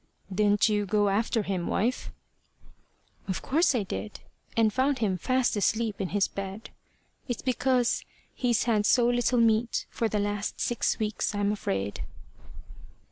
"Didn't you go after him, wife?" "Of course I did and found him fast asleep in his bed. It's because he's had so little meat for the last six weeks, I'm afraid."